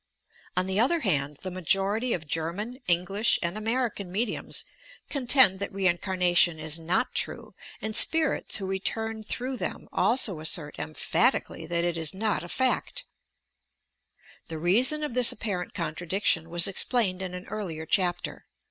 On the other hand, the majority of German, English and American mediums contend that reincarnation is not true, and spirits who return through them also assert emphatically that it is not a factl The reason of this apparent contradiction was explained in an earlier chapter.